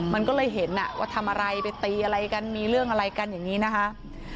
มันก็เลยเห็นว่าทำอะไรไปตีอะไรกันมีเรื่องอะไรกันอย่างนี้นะคะ